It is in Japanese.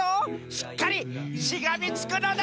しっかりしがみつくのだ！